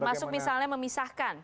termasuk misalnya memisahkan